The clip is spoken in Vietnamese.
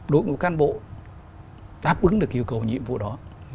đội ngũ cán bộ đáp ứng được yêu cầu nhiệm vụ đó